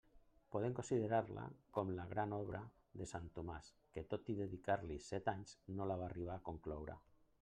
Podem considerar-la com la gran obra de sant Tomàs, que tot i dedicar-li set anys no la va arribar a concloure.